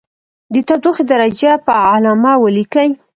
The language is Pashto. د تودوخې درجه په علامه ولیکئ.